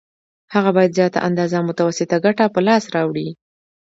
هغه باید زیاته اندازه متوسطه ګټه په لاس راوړي